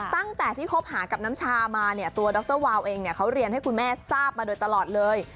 ตั้งแต่ที่คบหากับน้ำชามาเนี่ยตัวดรวาวเองเนี่ยเขาเรียนให้คุณแม่ทราบมาโดยตลอดเลย